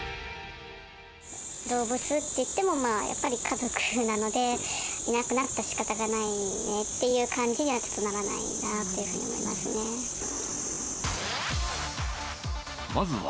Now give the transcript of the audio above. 動物といっても、やっぱり家族なので、いなくなった、しかたないねという感じにはちょっとならないなっていうふうに思いますね。